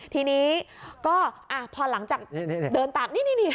ทีนี้ก็พอหลังจากเดินตามนี่